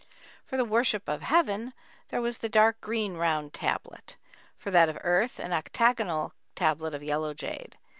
For the worship of Heaven there was the dark green round tablet; for that of Earth, an octagonal tablet of yellow jade.